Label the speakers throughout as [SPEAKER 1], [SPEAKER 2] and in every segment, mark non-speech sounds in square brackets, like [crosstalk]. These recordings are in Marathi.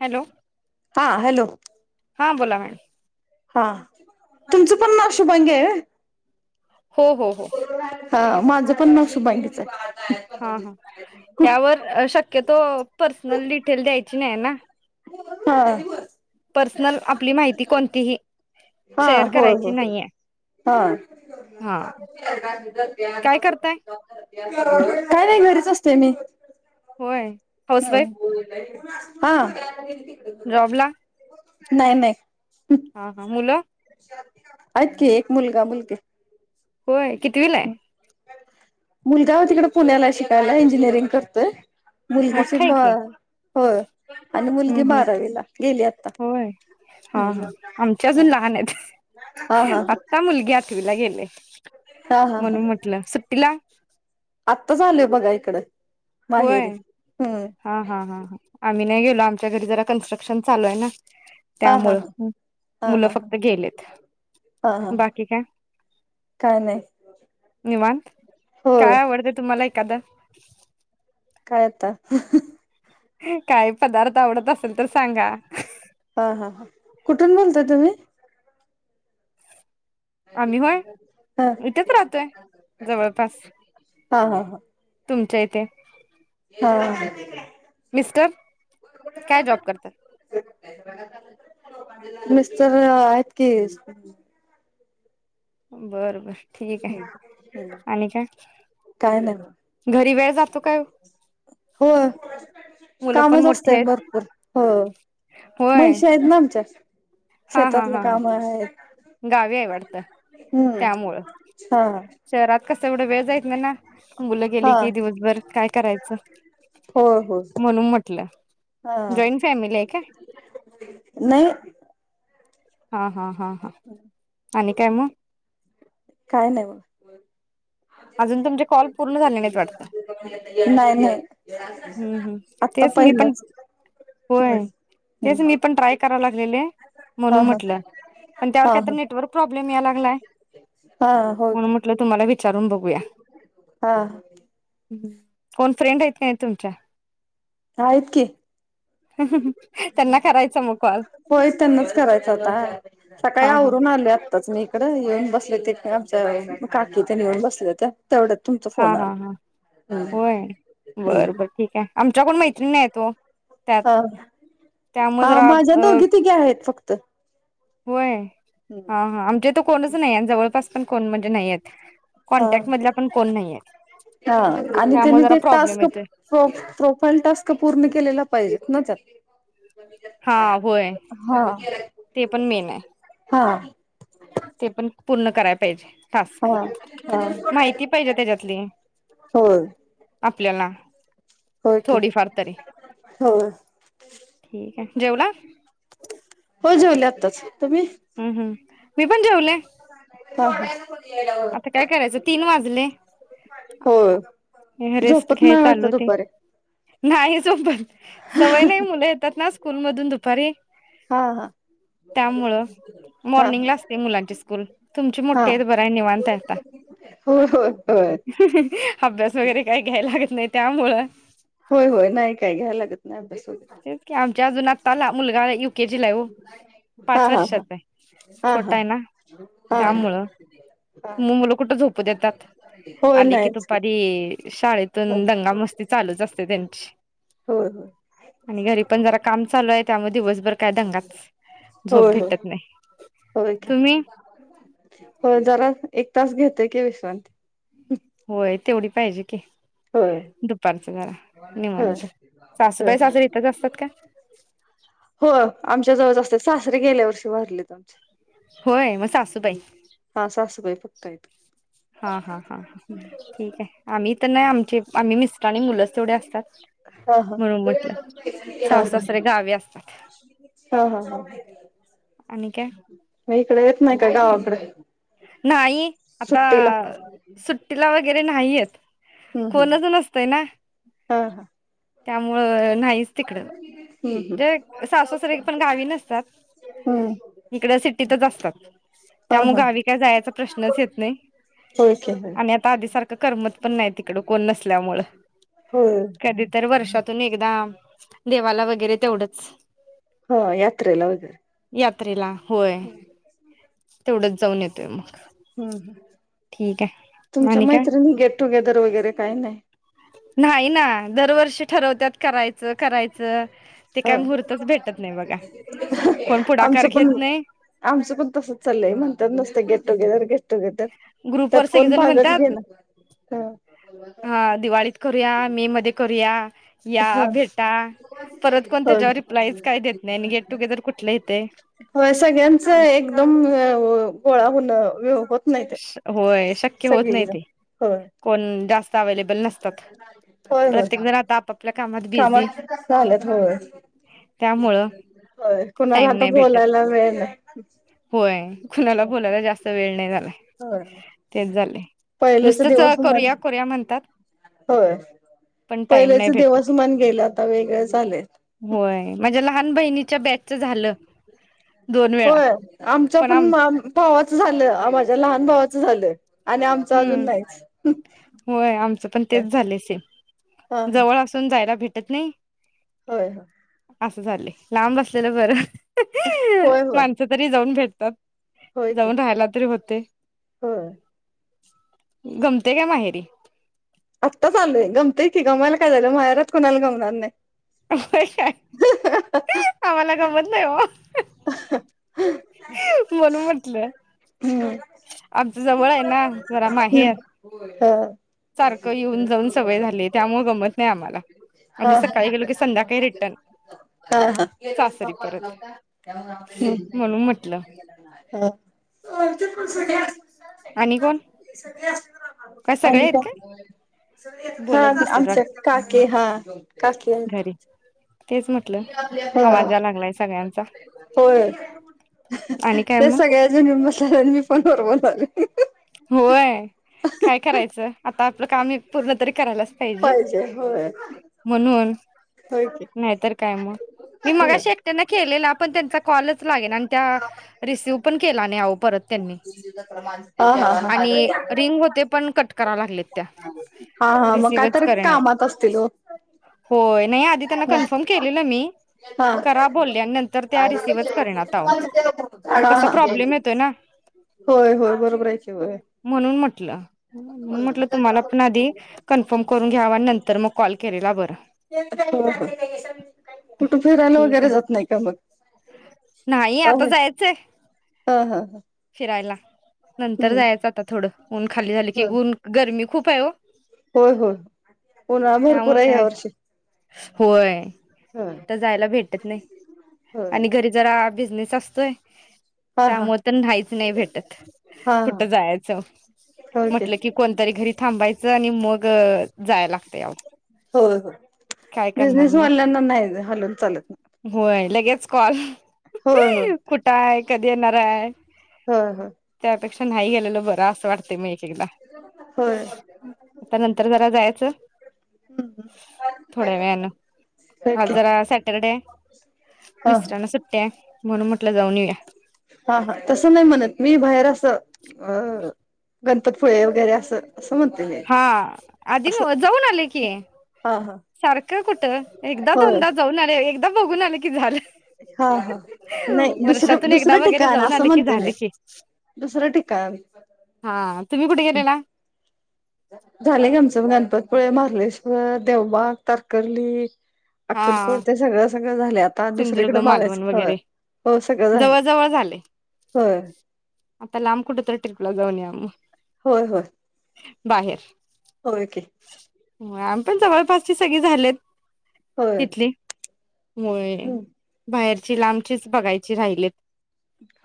[SPEAKER 1] हॅलो,
[SPEAKER 2] हां हॅलो.
[SPEAKER 1] हां बोला मॅडम,
[SPEAKER 2] हा तुमचं पण नाव शुभांगी हाय
[SPEAKER 1] हो हो हो
[SPEAKER 2] व्हय, हा माझं पण नाव शुभांगीच हाय,
[SPEAKER 1] हा हा. ह्यावर शक्यतो पर्सनल डिटेल द्यायची नाही ना.
[SPEAKER 2] हा,
[SPEAKER 1] पर्सनल आपली माहिती कोणतीही,
[SPEAKER 2] हा
[SPEAKER 1] शेअर
[SPEAKER 2] होय
[SPEAKER 1] करायची
[SPEAKER 2] होय,
[SPEAKER 1] नाहीये
[SPEAKER 2] हा,
[SPEAKER 1] काय करताय
[SPEAKER 2] [inaudible] काय नाही. घरीच असते मी,
[SPEAKER 1] होय. हाऊस वाईफ
[SPEAKER 2] हम्म हा
[SPEAKER 1] जॉबला
[SPEAKER 2] नाही नाही,
[SPEAKER 1] हा हा मुल,
[SPEAKER 2] हायत की एक मुलगा मुलगी,
[SPEAKER 1] होय कितविला ह
[SPEAKER 2] मुलगा तिकडे पुण्याला शिकायला इंजिनिअरिंग करतोय, मुलगीची
[SPEAKER 1] मोठा आहे की
[SPEAKER 2] हो आणि मुलगी
[SPEAKER 1] हम्म हम्म
[SPEAKER 2] बारावीला गेली आता,
[SPEAKER 1] होय हा हा
[SPEAKER 2] हम्म
[SPEAKER 1] आमच्या अजून लहान आहेत.
[SPEAKER 2] हा हा
[SPEAKER 1] आता मुलगी आ ठवीला गेले
[SPEAKER 2] हा हा हा
[SPEAKER 1] म्हणून म्हटलं सुट्टीला,
[SPEAKER 2] आत्ताच आलीय बघा इकड
[SPEAKER 1] होय
[SPEAKER 2] माहेरी हम्.
[SPEAKER 1] हा हा हा ह आम्ही नाही गेलो. आमच्या घरी जरा कन्स्ट्रक्शन चालू आहे. ना
[SPEAKER 2] हा हा
[SPEAKER 1] त्यामुळ
[SPEAKER 2] ह हा
[SPEAKER 1] मुलं
[SPEAKER 2] हा हा
[SPEAKER 1] फक्त गेलेत,
[SPEAKER 2] हा हा
[SPEAKER 1] बाकी काय.
[SPEAKER 2] काय नाही
[SPEAKER 1] निवांत.
[SPEAKER 2] होय
[SPEAKER 1] काय आवडतं तुम्हाला एखादां
[SPEAKER 2] काय आता.
[SPEAKER 1] काय पदार्थ आवडत असेल तर सांगा.
[SPEAKER 2] हा हा ह कुठून बोलताय तुम्ही,
[SPEAKER 1] आम्ही होय
[SPEAKER 2] ह
[SPEAKER 1] इथेच राहतोय जवळपास,
[SPEAKER 2] हा हा
[SPEAKER 1] तुमच्या इथे,
[SPEAKER 2] हा.
[SPEAKER 1] मिस्टर, काय जॉब करतात.
[SPEAKER 2] मिस्टर आहेत की.
[SPEAKER 1] बरोबर. ठीक आहे आणि काय
[SPEAKER 2] काय नाही
[SPEAKER 1] घरी वेळ जातो काय ओ,
[SPEAKER 2] हो कामच जास्त
[SPEAKER 1] मोठे आहेत
[SPEAKER 2] भरपूर हो,
[SPEAKER 1] होय
[SPEAKER 2] म्हशी आहेत ना आमच्या,
[SPEAKER 1] हा हा
[SPEAKER 2] शेतातले
[SPEAKER 1] हा हा
[SPEAKER 2] काम आहेत.
[SPEAKER 1] गावी आहे वाटतं
[SPEAKER 2] हम्म
[SPEAKER 1] त्यामुळं
[SPEAKER 2] हा,
[SPEAKER 1] शहरात कसं एवढं वेळ जायत नाही ना, मुलं
[SPEAKER 2] हा
[SPEAKER 1] गेली की दिवसभर काय करायचं.
[SPEAKER 2] हो हो
[SPEAKER 1] म्हणून म्हटलं,
[SPEAKER 2] हा,
[SPEAKER 1] जॉईंट फॅमिली आहे काय
[SPEAKER 2] नाही.
[SPEAKER 1] हा हा हा हा आणि काय मग,
[SPEAKER 2] काय नाही मग,
[SPEAKER 1] अजून तुमचे कॉल पूर्ण झाले नाहीत वाटतं.
[SPEAKER 2] नाही नाही
[SPEAKER 1] हम्म हम्म
[SPEAKER 2] आता
[SPEAKER 1] तेच मी पण
[SPEAKER 2] पहिलाच,
[SPEAKER 1] होय तेच मी पण ट्राय कराव लागलेले
[SPEAKER 2] हा
[SPEAKER 1] म्हणून
[SPEAKER 2] हा
[SPEAKER 1] म्हटलं पण त्यावर
[SPEAKER 2] हा
[SPEAKER 1] काय तर नेटवर्क, प्रॉब्लेम यायला लागलंय,
[SPEAKER 2] हा होय,
[SPEAKER 1] म्हटलं तुम्हाला विचारून बघुया,
[SPEAKER 2] हा
[SPEAKER 1] कोण फ्रेंड आहेत काय? अच्छा,
[SPEAKER 2] आहेत की,
[SPEAKER 1] त्यांना करायचा मग कॉल
[SPEAKER 2] होय त्यांनाच करायचं होता, सकाळी
[SPEAKER 1] हा हा
[SPEAKER 2] आवरून आले आत्ताच मी इकडं येऊन बसले ते आमच्या काकीत येऊन बसले होत्या. तेवढ्यात तुमचा
[SPEAKER 1] हा
[SPEAKER 2] फोन
[SPEAKER 1] हा
[SPEAKER 2] आला,
[SPEAKER 1] हा
[SPEAKER 2] हम्म
[SPEAKER 1] होय
[SPEAKER 2] हम्म,
[SPEAKER 1] बर बर ठीक आहे आमच्या कोण मैत्रिण आहेत ओ, त्यात
[SPEAKER 2] हा
[SPEAKER 1] त्यामुळे
[SPEAKER 2] हा
[SPEAKER 1] जरा
[SPEAKER 2] माझ्या
[SPEAKER 1] अ
[SPEAKER 2] दोघी तिघे आहेत फक्त,
[SPEAKER 1] व्हय, हा हा आमच्या तर कोणच नाही जवळपास पण कोण म्हणजे नाही आहेत
[SPEAKER 2] हा
[SPEAKER 1] कॉन्टॅक्टमधल्या पण, कोण नाही आहेत
[SPEAKER 2] हा आणि
[SPEAKER 1] त्यामुळे
[SPEAKER 2] त्यानी
[SPEAKER 1] जरा
[SPEAKER 2] ते
[SPEAKER 1] प्रॉब्लेम
[SPEAKER 2] टास्क,
[SPEAKER 1] येतोय
[SPEAKER 2] प्र प्रोफाईल टास्क पूर्ण केलेला पाहिजेतना त्यात,
[SPEAKER 1] हा होय
[SPEAKER 2] हा.
[SPEAKER 1] ते पण मेन आहे.
[SPEAKER 2] हा,
[SPEAKER 1] ते पण पूर्ण कराया पाहिजे. टास्क
[SPEAKER 2] हा हा.
[SPEAKER 1] माहिती पाहिजे त्याच्यातली
[SPEAKER 2] होय
[SPEAKER 1] आपल्याला,
[SPEAKER 2] होय की
[SPEAKER 1] थोडीफार तरी,
[SPEAKER 2] होय
[SPEAKER 1] ठीक आहे, जेवला,
[SPEAKER 2] हो जेवले आत्ताच, तुम्ही?
[SPEAKER 1] हम् हम् मी पण जेवले.
[SPEAKER 2] [unintelligible]
[SPEAKER 1] आता काय करायचं तीन वाजल,
[SPEAKER 2] होय
[SPEAKER 1] रेस्ट
[SPEAKER 2] झोपत
[SPEAKER 1] घ्या
[SPEAKER 2] नाही वाटत
[SPEAKER 1] चालू होती,
[SPEAKER 2] दुपारी
[SPEAKER 1] नाही झोपत. सवय नाही मुलं येतात ना स्कूल मधून दुपारी,
[SPEAKER 2] हा हा
[SPEAKER 1] त्यामुळं
[SPEAKER 2] हा
[SPEAKER 1] मॉर्निंगला असते मुलांची स्कूल तुमची
[SPEAKER 2] हा
[SPEAKER 1] मोठीे आहेत बर आहे निवां [inaudible]
[SPEAKER 2] होय होय होय
[SPEAKER 1] अभ्यास वगैरे काही घ्यायला लागत नाही त्यामुळं,
[SPEAKER 2] होय होय नाही काय घ्यायला लागत नाही अभ्यास वगैरे,
[SPEAKER 1] तेच की आमच्या अजून आताला मुलगा केजी ला हो
[SPEAKER 2] हा
[SPEAKER 1] पाच
[SPEAKER 2] हा हा
[SPEAKER 1] वर्षाचा आहे.
[SPEAKER 2] हा
[SPEAKER 1] छोटा
[SPEAKER 2] हा, हा, हा
[SPEAKER 1] म मुलं कुठं झोपू देतात
[SPEAKER 2] होय
[SPEAKER 1] आले की
[SPEAKER 2] नाहीच
[SPEAKER 1] दुपारी,
[SPEAKER 2] होय
[SPEAKER 1] शाळेतून दंगा मस्ती चालूच असते त्यांची,
[SPEAKER 2] होय होय.
[SPEAKER 1] आणि घरी पण जरा काम चालू आहे त्यामुळे दिवसभर काय दंगाच झोप
[SPEAKER 2] होय होय
[SPEAKER 1] भेटत नाही.
[SPEAKER 2] होय का
[SPEAKER 1] तुम्ही?
[SPEAKER 2] हो जरा एक तास घेतोय की विश्रांती.
[SPEAKER 1] होय तेवढी पाहिजे की.
[SPEAKER 2] होय
[SPEAKER 1] दुपारचं घरा
[SPEAKER 2] होय
[SPEAKER 1] निवांत
[SPEAKER 2] होय
[SPEAKER 1] सासूबाई सासरी इथच असतात काय.
[SPEAKER 2] हो आमच्या जवळ असते सासरे गेल्या वर्षी भरलेत आमचे.
[SPEAKER 1] होय मग सासू बाई-
[SPEAKER 2] हा सासुबाई फक्तयेत.
[SPEAKER 1] हा हा हा हा ठीक आहे. आम्ही तर नाही आमचे आम्ही मिस्टर आणि मुलंच तेवढे असतात.
[SPEAKER 2] हा हा हा
[SPEAKER 1] म्हणून म्हटलं
[SPEAKER 2] हा
[SPEAKER 1] सथ सारे गावी असतात.
[SPEAKER 2] हा हा हा.
[SPEAKER 1] आणि काय.
[SPEAKER 2] म इकडे येत नाही का गावाकडे.
[SPEAKER 1] नाही. आता
[SPEAKER 2] सुट्टीला
[SPEAKER 1] सुट्टीला वगैरे नाहीयेत
[SPEAKER 2] हम्म हम्म
[SPEAKER 1] कोणच नसतय ना.
[SPEAKER 2] हा हा.
[SPEAKER 1] त्यामुळं नाहीच तिकडं.
[SPEAKER 2] हम्म हम्म
[SPEAKER 1] ज सासू सरी पण गावी नसतात.
[SPEAKER 2] हम.
[SPEAKER 1] इकड सिटीतच असतात
[SPEAKER 2] हा
[SPEAKER 1] त्यामुल
[SPEAKER 2] हा
[SPEAKER 1] गावी काय जायचा प्रश्नच येत नाही.
[SPEAKER 2] होक.
[SPEAKER 1] आणि आता आधी सारखं करमत पण नाही तिकडं कोण नसल्यामुळ.
[SPEAKER 2] होय
[SPEAKER 1] कधी तर वर्षातून एकदा देवाला वगैरे तेवढंच.
[SPEAKER 2] हा यात्रेला होगैर.
[SPEAKER 1] यात्रेला होय तेवढच जाऊन येतोय मग.
[SPEAKER 2] हम् ह
[SPEAKER 1] ठीक आहे
[SPEAKER 2] तुमच्या
[SPEAKER 1] आणि काय
[SPEAKER 2] मैत्रिणी गेट टुगेदर वगैरे काही नाही.
[SPEAKER 1] नाही ना दरवर्षी ठरवतत करायचं करायचं. ते
[SPEAKER 2] हा
[SPEAKER 1] काय मुहूर्तच भेटत नाही बघा कोण पुढाकार
[SPEAKER 2] आमचं
[SPEAKER 1] घेत
[SPEAKER 2] पण
[SPEAKER 1] नाही.
[SPEAKER 2] आमचं पण तसंच ललंय म्हणतात नसते गेट टुगेदर गट-
[SPEAKER 1] ग्रुपवर
[SPEAKER 2] त्यात कोण
[SPEAKER 1] सगळेजण
[SPEAKER 2] भागच घे-
[SPEAKER 1] म्हणतात हा दिवाळी- कररिया मी मध्ये कररिया- या
[SPEAKER 2] हा.
[SPEAKER 1] भेटा परत कोण त्याच्यावर रिप्लाई काय
[SPEAKER 2] होय.
[SPEAKER 1] देत नाही आणि गेट टुगेदर कुठले येतेय -
[SPEAKER 2] होय सगळ्यांच एकदम गोळा होन-
[SPEAKER 1] होय शक्य होत नाही ते
[SPEAKER 2] होय.
[SPEAKER 1] कोण जास्त अवेलेबल नसतात. प्रत्येक जण आता- कामात बिझी
[SPEAKER 2] कामाात झालत होय.
[SPEAKER 1] त्यामुळं
[SPEAKER 2] हो कुणाला तर बोलायला वेल-
[SPEAKER 1] पोय खुलाला बोलायला जास्त वेळ नाही झालाय.
[SPEAKER 2] हो
[SPEAKER 1] तेच झालंय
[SPEAKER 2] पहिलेचा
[SPEAKER 1] नुसतंच
[SPEAKER 2] दिवस
[SPEAKER 1] करूया करूया
[SPEAKER 2] मला-
[SPEAKER 1] म्हणतात
[SPEAKER 2] होय
[SPEAKER 1] पण टाइम
[SPEAKER 2] पहिलेच
[SPEAKER 1] नाही भेटत
[SPEAKER 2] देवासमान गेलं आता वेगळच आलय.
[SPEAKER 1] होय माझ्या लहान बहिणीच्या बॅचच झालं. दोन वेळा
[SPEAKER 2] होय आमच्या पण भावाचं झालं माझ्या लहान भावाचं झालं. आणि आमचं अजून
[SPEAKER 1] हम्म
[SPEAKER 2] नाहीच.
[SPEAKER 1] होय आमचं पण तेच झाले सेम
[SPEAKER 2] हा
[SPEAKER 1] जवळ असून जायला भेटत नाही.
[SPEAKER 2] होय.
[SPEAKER 1] असं झालय लांब असलेलं बरं.
[SPEAKER 2] होय होय
[SPEAKER 1] कधीतरी जाऊन भेटतात. जाऊन राहायला तरी होतेय.
[SPEAKER 2] हो
[SPEAKER 1] गमते काय माहेरी.
[SPEAKER 2] आत्ताच आलोय गमतय की, गमायला काय झालं माहेरात कोणाला गमणार नाही.
[SPEAKER 1] होय काय आम्हाला गंमत नाही हो.
[SPEAKER 2] ह ह
[SPEAKER 1] म्हणून म्हटलं
[SPEAKER 2] हम्म
[SPEAKER 1] आमचं जवळ आहे ना जरा माहेर.
[SPEAKER 2] हा
[SPEAKER 1] सारखं येऊन जाऊन सवय झाली. त्यामुळे गमत नाही आम्हाला. आम्ही
[SPEAKER 2] हा
[SPEAKER 1] सकाळी गेलो की संध्याकाळी रिटर्न.
[SPEAKER 2] हा ह
[SPEAKER 1] सासरी
[SPEAKER 2] भगवान न हो
[SPEAKER 1] परत
[SPEAKER 2] का [inaudible]
[SPEAKER 1] म्हणून म्हटलं
[SPEAKER 2] [inaudible]
[SPEAKER 1] आणि कोण काय सगळे
[SPEAKER 2] आणि
[SPEAKER 1] आहेत
[SPEAKER 2] काय हा
[SPEAKER 1] बोलत बसलेत
[SPEAKER 2] आमच्या
[SPEAKER 1] वाटत
[SPEAKER 2] काकी हा काकी आहेत.
[SPEAKER 1] ह
[SPEAKER 2] हा
[SPEAKER 1] सगळ्यांचा
[SPEAKER 2] होय
[SPEAKER 1] आणि काय
[SPEAKER 2] ते
[SPEAKER 1] मग
[SPEAKER 2] सगळ्याजनी येऊन बसल्यात आणि मी फोनवर बोलायलोय.
[SPEAKER 1] होय काय करायचं आता आपलं काम हे पूर्ण तरी करायला पाहिजे.
[SPEAKER 2] पाहिजे होय.
[SPEAKER 1] म्हणून
[SPEAKER 2] होय की.
[SPEAKER 1] नाहीतर काय मग. मी
[SPEAKER 2] होय.
[SPEAKER 1] मगाशी एकट्यांना केलेला. पण त्यांचा कॉलच लागेल आणि त्या- रिसिव्ह पण केला नाही आहो परत त्यांनी.
[SPEAKER 2] पज प्रमाण [inaudible]
[SPEAKER 1] आणि रिंग होते पण कट कराव लागलेत त्या.
[SPEAKER 2] हा हा मग काय
[SPEAKER 1] रिसिव्हच
[SPEAKER 2] तर
[SPEAKER 1] करेनात
[SPEAKER 2] कामात असतील.
[SPEAKER 1] होय. नाही आधी त्यांना कन्फर्म केलेलं मी.
[SPEAKER 2] हा.
[SPEAKER 1] करा बोल्या आणि नंतर
[SPEAKER 2] हा
[SPEAKER 1] त्या रिसीव्हच करेण्यात अहो मग कस
[SPEAKER 2] हा.
[SPEAKER 1] प्रॉब्लेम येतोय ना.
[SPEAKER 2] होय होय बरोबर हाय की वय
[SPEAKER 1] म्हणून म्हटलं, म्हणून म्हटलं तुम्हाला पण आधी- कन्फर्म करून घ्यावा आणि नंतर मग कॉल केलेला बरं-
[SPEAKER 2] कुठे फिरायला
[SPEAKER 1] ठीक
[SPEAKER 2] वगैरे
[SPEAKER 1] आहे
[SPEAKER 2] जात नाही का मग.
[SPEAKER 1] नाही
[SPEAKER 2] हा
[SPEAKER 1] आता जायचंय
[SPEAKER 2] हा हा
[SPEAKER 1] फिरायला. नंतर
[SPEAKER 2] हम्म
[SPEAKER 1] जायचं आता थोडं ऊन खाली झाली की
[SPEAKER 2] ह
[SPEAKER 1] ऊन गर्मी खूप आहे हो.
[SPEAKER 2] होय होय उन्हाळा भरपूर
[SPEAKER 1] त्यामुळे
[SPEAKER 2] आहे या
[SPEAKER 1] काय
[SPEAKER 2] वर्षी-
[SPEAKER 1] होय
[SPEAKER 2] होय
[SPEAKER 1] कुठ जायला भेटत नाही
[SPEAKER 2] होय
[SPEAKER 1] आणि घरी- जरा बिझनेस असतोय.
[SPEAKER 2] हा हा
[SPEAKER 1] त्यामुळे तर नाहीच नाही भेटत.
[SPEAKER 2] हा हा
[SPEAKER 1] कुठ जायचं,
[SPEAKER 2] ओके
[SPEAKER 1] म्हटलं की कोणतरी घरी थांबायचं आणि मग जायला.
[SPEAKER 2] होय होय
[SPEAKER 1] करणार
[SPEAKER 2] बिझनेस
[SPEAKER 1] मग
[SPEAKER 2] वाल्यांना नाही हलून चालत नाही.
[SPEAKER 1] होय लगेच कॉल,
[SPEAKER 2] होय होय
[SPEAKER 1] कुठं आहे कधी येणार आहे.
[SPEAKER 2] हा हा
[SPEAKER 1] त्यापेक्षा नाही गेलेल बर असं वाटत म एक एकदा
[SPEAKER 2] होय.
[SPEAKER 1] त्या नंतर जरा जायचं
[SPEAKER 2] [inaudible]
[SPEAKER 1] थोड्या वेळन आज
[SPEAKER 2] ओके
[SPEAKER 1] जरा सॅटरडे आहे.
[SPEAKER 2] हा
[SPEAKER 1] मिस्टराना सुट्टी आहे म्हणून म्हटलं जाऊन येऊया.
[SPEAKER 2] हा हा तसं नाही म्हणत मी बाहेर असं अह गणपतीपुळे वगैरे असं. असं म्हणते मी
[SPEAKER 1] हा आधी
[SPEAKER 2] असं
[SPEAKER 1] म जाऊन आले की
[SPEAKER 2] हा हा.
[SPEAKER 1] सारखं कुठं? एकदा
[SPEAKER 2] होय
[SPEAKER 1] दोनदा जाऊन आले एकदा बघून आले की झालं.
[SPEAKER 2] हा हा नाही दुसरं
[SPEAKER 1] वर्षातून एकदा
[SPEAKER 2] दुसरं
[SPEAKER 1] वगैरे
[SPEAKER 2] ठिकाण
[SPEAKER 1] जाऊन
[SPEAKER 2] असं
[SPEAKER 1] आले की
[SPEAKER 2] म्हणते मी.
[SPEAKER 1] झालं की
[SPEAKER 2] दुसरं ठिकाण.
[SPEAKER 1] हां तुम्ही कुठे गेलेला?
[SPEAKER 2] झालं की आमचं गणपतीपुळे, महाबळेश्वर, देवबाग, तरकर्ली
[SPEAKER 1] हा
[SPEAKER 2] अक्कलकोट ते सगळं सगळं झाल्यात. आता
[SPEAKER 1] सिंधुदुर्ग
[SPEAKER 2] दुसरीेकडे
[SPEAKER 1] मालवण
[SPEAKER 2] बगायचं तर
[SPEAKER 1] वगैरे
[SPEAKER 2] पाहून सगळं झालं
[SPEAKER 1] जवळ जवळ झाले
[SPEAKER 2] होय.
[SPEAKER 1] आता लांब कुठेतरी ट्रिपल जाऊन या मग.
[SPEAKER 2] होय होय.
[SPEAKER 1] बाहेर
[SPEAKER 2] होय की.
[SPEAKER 1] हो आम पण जवळपास सगळे झालेत
[SPEAKER 2] होय
[SPEAKER 1] तिथली मुळे
[SPEAKER 2] हम्म.
[SPEAKER 1] बाहेरची लांबचीच बघायची राहिलीत.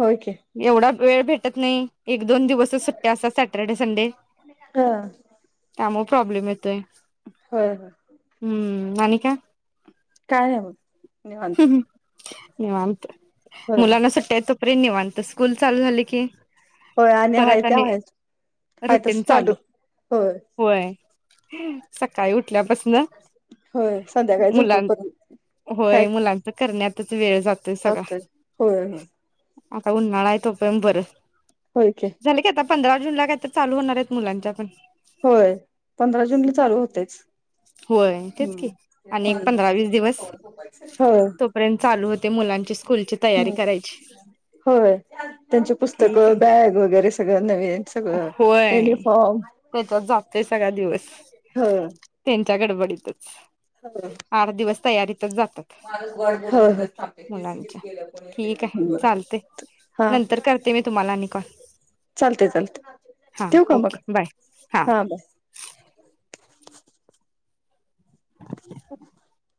[SPEAKER 2] होय की.
[SPEAKER 1] एवढा वेळ भेटत नाही. एक दोन दिवसच सुट्ट्या असतात सॅटर्डे संडे.
[SPEAKER 2] ह
[SPEAKER 1] त्यामुळे प्रॉब्लेम येतोय.
[SPEAKER 2] होय होय.
[SPEAKER 1] हम्म, आणि काय?
[SPEAKER 2] काय नाय बघ निवांत.
[SPEAKER 1] निवांत.
[SPEAKER 2] होय
[SPEAKER 1] मुलांना सुट्ट्या हाय तोपर्यंत निवांत स्कूल चालू झाली की
[SPEAKER 2] होय आणि हाय ते हायच.
[SPEAKER 1] रुटीन चालू. होय, सकाळी उठल्यापासनं
[SPEAKER 2] होय संध्याकाळी झोपेपर्यंत. काय
[SPEAKER 1] होय मुलांच करण्यातच वेळ जातोय सगळा.
[SPEAKER 2] होय होय
[SPEAKER 1] आता उन्हाळा आहे तोपर्यंत बरं.
[SPEAKER 2] होय की.
[SPEAKER 1] झाले का आता पंधरा जूनला काय तर चालू होणार आहेत मुलांच्या पण.
[SPEAKER 2] होय, पंधरा जून ला चालू होतेच.
[SPEAKER 1] होय तेच
[SPEAKER 2] हम्म
[SPEAKER 1] की आणि एक
[SPEAKER 2] निवांतपणे [unintelligible] झोपायचंय, हो.
[SPEAKER 1] पर्यंत चालू होते मुलांची स्कूलची तयारी करायची.
[SPEAKER 2] होय, त्यांची
[SPEAKER 1] ठीक आहे
[SPEAKER 2] पुस्तकं, बॅग वगैरे सगळं नवीन सगळं
[SPEAKER 1] होय
[SPEAKER 2] युनिफॉर्म
[SPEAKER 1] त्याच्यात जातोय सगळा दिवस.
[SPEAKER 2] हो
[SPEAKER 1] त्यांच्या गडबडीतच.
[SPEAKER 2] [unintelligible]
[SPEAKER 1] आठ दिवस तयारीतच जातात.
[SPEAKER 2] होय
[SPEAKER 1] मुलांच्या
[SPEAKER 2] होय
[SPEAKER 1] ठीक आहे
[SPEAKER 2] हम्म
[SPEAKER 1] चालते नंतर करते मी तुम्हाला आणि कॉल.
[SPEAKER 2] चालते चालते
[SPEAKER 1] हां
[SPEAKER 2] ठेव का मग
[SPEAKER 1] ओके बाय हां.
[SPEAKER 2] हा ब [inaudible]